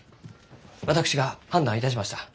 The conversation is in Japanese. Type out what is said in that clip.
私が判断いたしました。